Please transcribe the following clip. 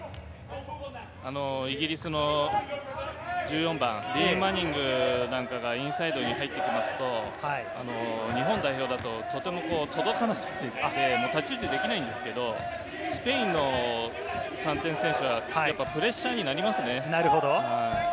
イギリスの１４番、リー・マニングなんかがインサイドに入ってきますと、日本代表だと届かなくて太刀打ちできないんですけど、スペインの３点先取はプレッシャーになりますね。